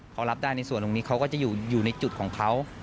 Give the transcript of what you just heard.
เขารับได้ในส่วนตรงนี้เขาก็จะอยู่ในจุดของเขา